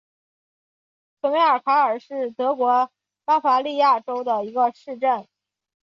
索梅尔卡尔是德国巴伐利亚州的一个市镇。